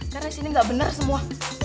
karena disini enggak bener semua